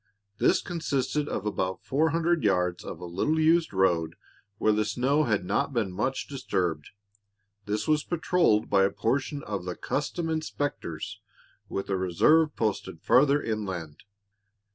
This consisted of about four hundred yards of a little used road where the snow had not been much disturbed. This was patrolled by a portion of the "custom inspectors," with a reserve posted farther inland.